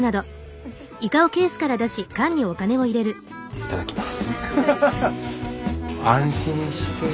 いただきます。